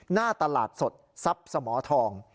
หน้าตลาดสดซับสมทอง